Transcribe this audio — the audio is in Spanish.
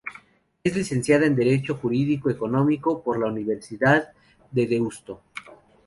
Es licenciada en Derecho Jurídico Económico por la Universidad de Deusto.